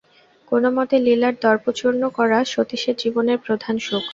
কোনোমতে লীলার দর্প চূর্ণ করা সতীশের জীবনের প্রধান সুখ।